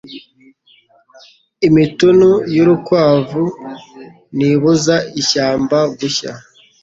Imitunu y’urukwavu ntibuza ishyamba gushya